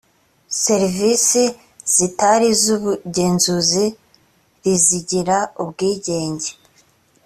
serivisi zitari zubugenzuzi rizigira ubwigenge.